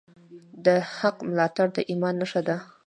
د حق ملاتړ د ایمان نښه ده.